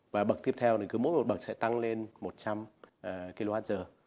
và bậc tiếp theo thì cứ mỗi một bậc sẽ tăng lên một trăm linh kwh